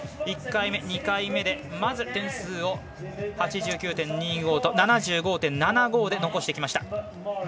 １回目、２回目でまず点数を８９．２５と７５．７５で残してきました。